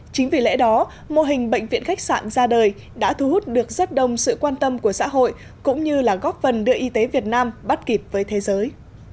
chính vì lẽ đó mô hình bệnh viện khách sạn ra đời đã thu hút được rất đông sự quan tâm của xã hội cũng như là góp phần đưa y tế việt nam bắt kịp với thế giới